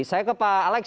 saya ke pak alex